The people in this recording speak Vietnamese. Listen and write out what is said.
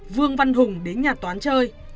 vương văn hùng đến nhà toán chơi